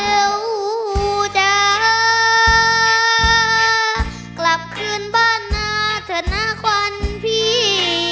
เต้าจะกลับคืนบ้านหน้าเถอะนะควันพี่